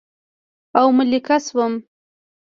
او ملکه شوم